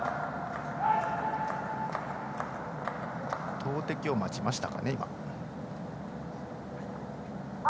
投てきを待ちましたね、今。